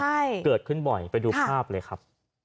ใช่เกิดขึ้นบ่อยไปดูภาพเลยครับ